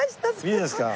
いいですか？